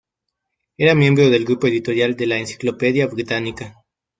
Era miembro del grupo editorial de la Encyclopædia Britannica.